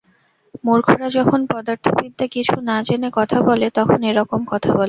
মূর্খরা যখন পদার্থবিদ্যা কিছু না-জেনে কথা বলে, তখন এ-রকম কথা বলে।